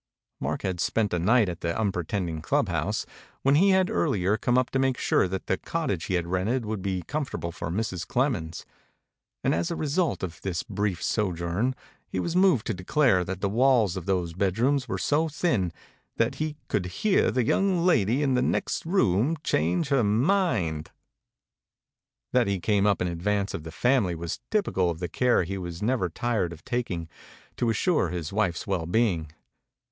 Mark had spent a night at the unpretending club house, when he had earlier come up to make sure that the cottage he had rented would be comfortable for Mrs. Clemens; and as a result of this brief sojourn he was moved to declare that the walls of those bed rooms were so thin that he "could hear the young lady in the next room change her mind." That he came up in advance of the family was typical of the care he was never tired of taking to assure his wife's well being.